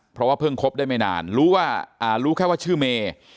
เพราะว่าเพิ่งคบได้ไม่นานรู้ว่ารู้แค่ว่าชื่อเมย์